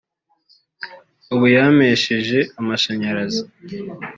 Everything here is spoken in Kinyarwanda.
ubu yampesheje amashanyarazi